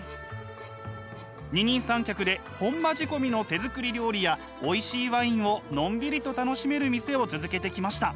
二人三脚で本場仕込みの手作り料理やおいしいワインをのんびりと楽しめる店を続けてきました。